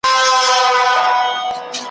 نن به د فرنګ د میراث خور په کور کي ساندي وي ,